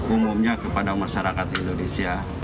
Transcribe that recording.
umumnya kepada masyarakat indonesia